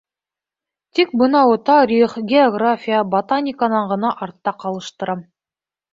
Тик бынауы тарих, география, ботаниканан ғына артта ҡалыштырам.